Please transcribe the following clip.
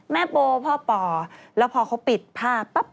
แม่โปพ่อแล้วพอเขาปิดภาพปั๊บ